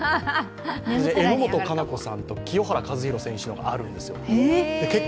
榎本加奈子さんと、清原和博さんのものがあるんですよ。